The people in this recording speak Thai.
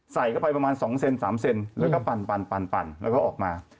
ใส่เข้าไปประมาณ๒เซน๓เซนแล้วก็ปั่นแล้วก็ออกมา